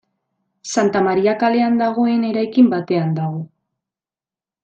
Santa Maria kalean dagoen eraikin batean dago.